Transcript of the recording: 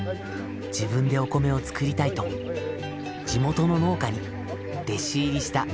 自分でお米をつくりたいと地元の農家に弟子入りした。